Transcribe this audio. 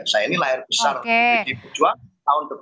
saya ini layar besar pdip perjuangan